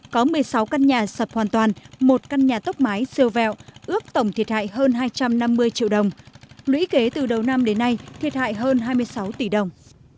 có một mươi sáu căn nhà sập hoàn toàn một căn nhà tốc mái siêu vẹo ước tổng thiệt hại hơn hai trăm năm mươi triệu đồng lũy kế từ đầu năm đến nay thiệt hại hơn hai mươi sáu tỷ đồng